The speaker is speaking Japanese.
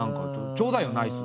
ちょうだいよナイス。